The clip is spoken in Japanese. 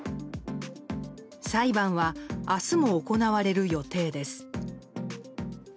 裁判は明日も行われる予定です。